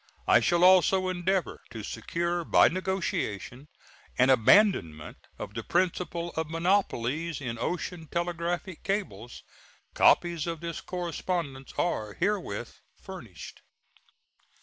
I shall also endeavor to secure, by negotiation, an abandonment of the principle of monopolies in ocean telegraphic cables. Copies of this correspondence are herewith furnished.